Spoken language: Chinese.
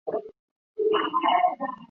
巢是由雌鸟以草筑成。